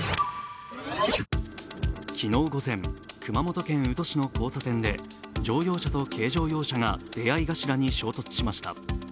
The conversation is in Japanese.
昨日午前、熊本県宇土市の交差点で乗用車と軽乗用車が出会い頭に衝突しました。